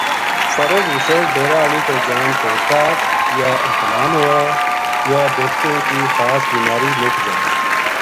فرض غسل ڈیرا آلی کول جان تے کاہڈ، یا احتلام ہووے، یا بیذٹکیاں کی خاص بیماری مک جائے۔